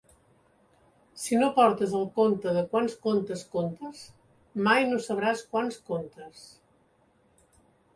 Si no portes el compte de quants contes contes, mai no sabràs quants contes.